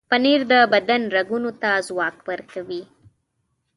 پنېر د بدن رګونو ته ځواک ورکوي.